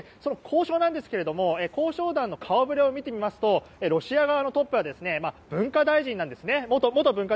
交渉なんですけど交渉団の顔ぶれを見てみますとロシア側のトップは元文化大臣なんですね。